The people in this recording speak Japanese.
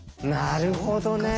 なるほどね。